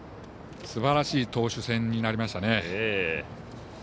すばらしい投手戦になりましたね。